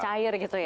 cair gitu ya